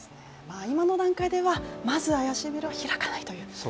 今の段階ではまず怪しいメールは開かないという。